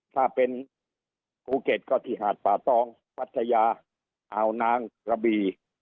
ถ้าเป็นภูเก็ตก็ที่หาดป่าตองพัทยาอ่าวนางกระบี